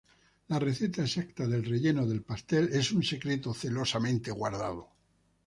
La receta exacta del relleno del pastel es un secreto celosamente guardado.